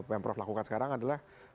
yang prof lakukan sekarang adalah